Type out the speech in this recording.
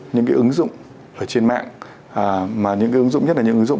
những cái ứng dụng ở trên mạng mà những cái ứng dụng nhất là những ứng dụng